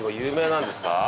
なんですか？